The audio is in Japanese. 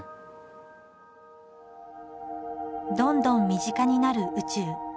どんどん身近になる宇宙。